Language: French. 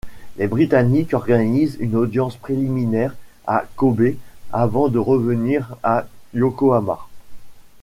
Les Britanniques organisent une audience préliminaire à Kobé, avant de revenir à Yokohama.